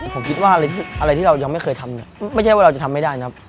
ผมคิดว่าอะไรที่เรายังไม่เคยทำเนี่ยไม่ใช่ว่าเราจะทำไม่ได้นะครับ